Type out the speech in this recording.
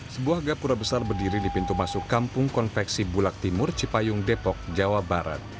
sebuah gapura besar berdiri di pintu masuk kampung konveksi bulak timur cipayung depok jawa barat